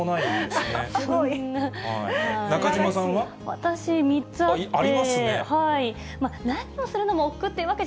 私、３つあって。